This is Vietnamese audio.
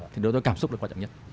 đối với tôi cảm xúc là quan trọng nhất